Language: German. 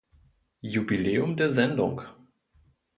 Jubiläum der Sendung.